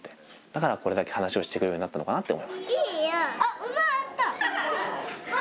だからこれだけ話をしてくれるようになったのかなって。